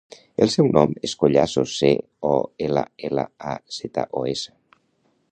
El seu cognom és Collazos: ce, o, ela, ela, a, zeta, o, essa.